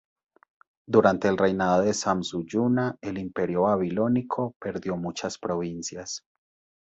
Durante el reinado de Samsu-Iluna, el imperio babilónico perdió muchas provincias.